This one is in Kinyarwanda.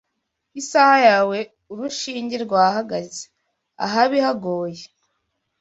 isaha yawe urushinge rwahagaze ahabi hagoye